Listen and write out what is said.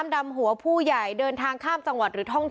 เพราะว่าตอนนี้จริงสมุทรสาของเนี่ยลดระดับลงมาแล้วกลายเป็นพื้นที่สีส้ม